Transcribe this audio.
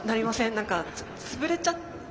何か潰れちゃった。